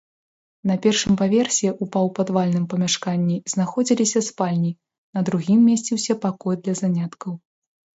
На першым паверсе ў паўпадвальным памяшканні знаходзіліся спальні, на другім месціўся пакой для заняткаў.